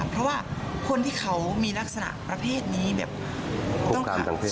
เพราะว่าคนที่เขามีลักษณะประเภทนี้แบบต้องการทางเพศ